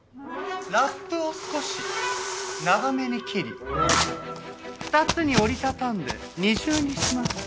ラップを少し長めに切り２つに折り畳んで２重にします。